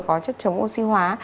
có chất chống oxy hóa